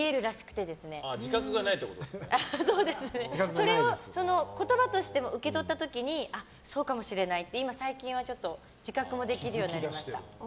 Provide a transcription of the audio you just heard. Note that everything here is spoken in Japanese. それを言葉として受け取った時にあ、そうかもしれないって最近は自覚もできるようになりました。